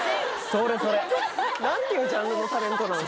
それそれ何ていうジャンルのタレントなん？